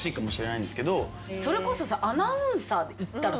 それこそさ。